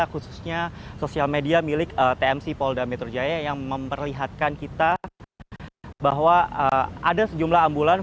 khususnya sosial media milik tmc polda metro jaya yang memperlihatkan kita bahwa ada sejumlah ambulans